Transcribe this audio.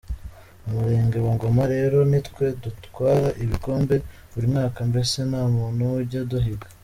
Umurenge wa Ngoma rero nitwe dutwara ibikombe buri mwaka, mbese ntamuntu ujya aduhiga”.